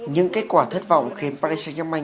nhưng kết quả thất vọng khiến paris saint germain